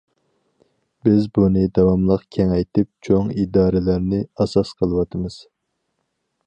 بىز بۇنى داۋاملىق كېڭەيتىپ، چوڭ ئىدارىلەرنى ئاساس قىلىۋاتىمىز.